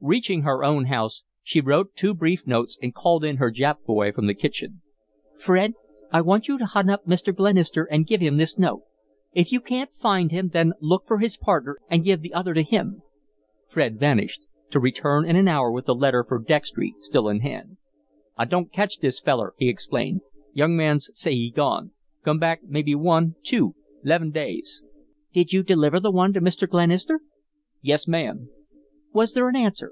Reaching her own house, she wrote two brief notes and called in her Jap boy from the kitchen. "Fred, I want you to hunt up Mr. Glenister and give him this note. If you can't find him, then look for his partner and give the other to him." Fred vanished, to return in an hour with the letter for Dextry still in his hand. "I don' catch dis feller," he explained. "Young mans say he gone, come back mebbe one, two, 'leven days." "Did you deliver the one to Mr. Glenister?" "Yes, ma'am." "Was there an answer?"